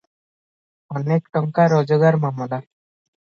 ଅନେକ ଟଙ୍କା ରୋଜଗାର ମାମଲା ।